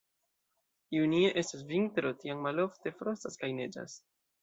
Junie estas vintro, tiam malofte frostas kaj neĝas.